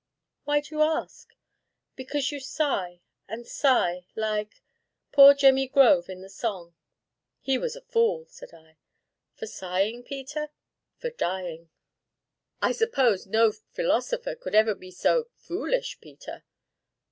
"Why do you ask?" "Because you sigh, and sigh, like poor Jemmy Grove in the song." "He was a fool!" said I. "For sighing, Peter?" "For dying." "I suppose no philosopher could ever be so foolish, Peter?"